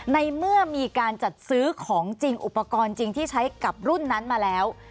ในเมื่อมีการจัดซื้อของจริงอุปกรณ์จริงที่ใช้กับรุ่นนั้นมาแล้ว